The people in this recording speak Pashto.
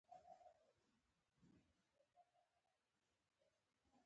انګلیسي د انسان ذهن خلاصوي